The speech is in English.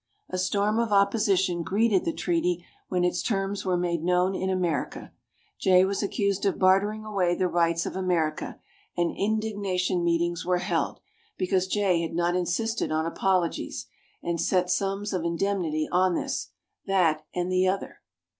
A storm of opposition greeted the treaty when its terms were made known in America. Jay was accused of bartering away the rights of America, and indignation meetings were held, because Jay had not insisted on apologies, and set sums of indemnity on this, that and the other.